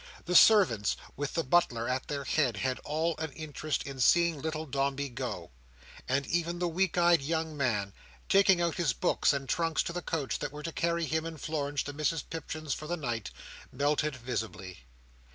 The servants, with the butler at their head, had all an interest in seeing Little Dombey go; and even the weak eyed young man, taking out his books and trunks to the coach that was to carry him and Florence to Mrs Pipchin's for the night, melted visibly.